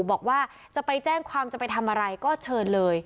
บอกว่าจะไปแจ้งความจะไปทำอะไรก็เชิญเลย